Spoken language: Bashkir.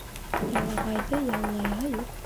Ялағайҙы яллайһы юҡ.